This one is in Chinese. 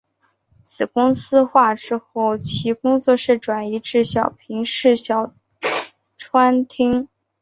子公司化之后其工作室转移至小平市小川町。